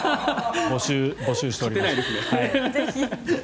募集しております。